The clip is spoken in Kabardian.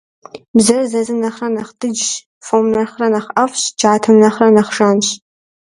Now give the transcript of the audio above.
Бзэр зэзым нэхърэ нэхъ дыджщ, фом нэхърэ нэхъ IэфIщ, джатэм нэхърэ нэхъ жанщ.